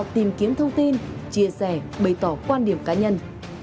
tìm kiếm thông tin chia sẻ bày tỏ quan điểm cá nhân